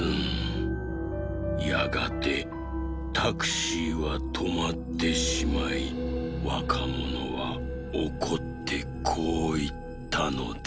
やがてタクシーはとまってしまいわかものはおこってこういったのです。